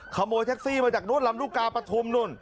ขโมยแท็กซี่มาจากนู้นลำลูกกาปฐุมนู่น